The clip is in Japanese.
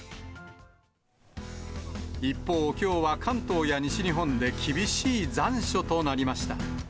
一方、きょうは関東や西日本で厳しい残暑となりました。